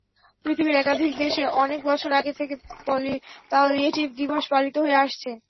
পৃথিবীর একাধিক দেশে অনেক বছর আগে থেকে প্যালিয়েটিভ দিবস পালিত হয়ে আসছে।